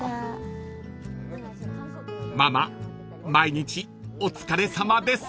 ［ママ毎日お疲れさまです］